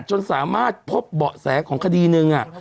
จนสามารถพบเบาะแสของคดีหนึ่ง